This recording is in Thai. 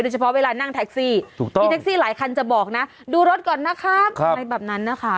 เฉพาะเวลานั่งแท็กซี่ถูกต้องพี่แท็กซี่หลายคันจะบอกนะดูรถก่อนนะครับอะไรแบบนั้นนะคะ